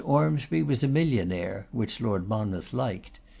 Ormsby was a millionaire, which Lord Monmouth liked.